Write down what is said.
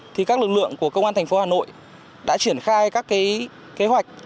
thì các lực lượng của công an thành phố hà nội đã triển khai các kế hoạch